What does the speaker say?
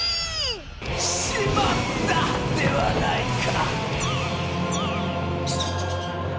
「しまった！」ではないか！